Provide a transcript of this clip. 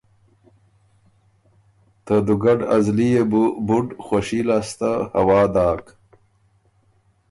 ته دُوګډ ا زلی يې بُو بُډ خوشي لاسته هوا داک۔